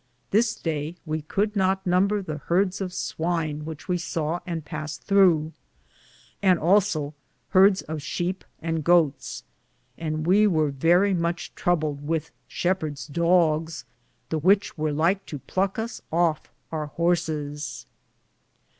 This day we could not number the heardes of swine which we saw and paste throughe, and also heardes of shepe and goates, and we weare verrie muche trubled wethe shepheardes' doggs, the which weare like to pluck us of our horsis.